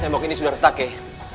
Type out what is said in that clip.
tembok ini sudah retak ya